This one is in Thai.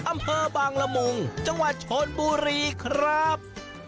อำเภอบางละมุงจังหวัดชนบุรีครับ